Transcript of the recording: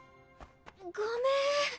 ごめん。